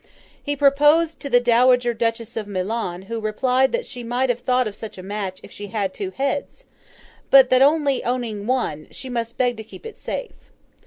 He proposed to the Dowager Duchess of Milan, who replied that she might have thought of such a match if she had had two heads; but, that only owning one, she must beg to keep it safe.